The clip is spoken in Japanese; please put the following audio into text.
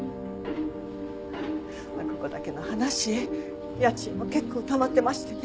ここだけの話家賃も結構たまってましてね。